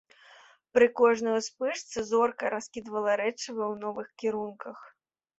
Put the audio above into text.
Пры кожнай успышцы зорка раскідвала рэчыва ў новых кірунках.